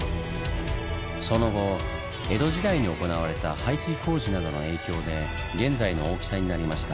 その後江戸時代に行われた排水工事などの影響で現在の大きさになりました。